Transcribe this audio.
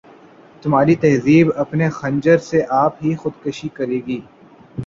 تمہاری تہذیب اپنے خنجر سے آپ ہی خودکشی کرے گی